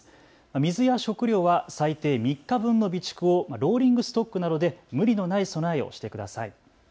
水や食料は最低３日分の備蓄をローリングストックなどで無理のない備えをしてください。